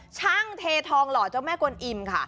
ช่างเททองหล่อเจ้าแม่กวนอิ่มค่ะ